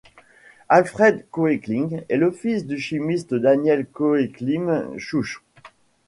Alfred Koechlin est le fils du chimiste Daniel Koechlin-Schouch.